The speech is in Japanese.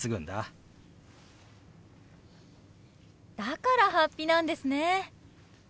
だから法被なんですね！